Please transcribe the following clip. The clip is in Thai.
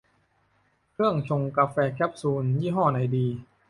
เครื่องชงกาแฟแคปซูล ยี่ห้อไหนดี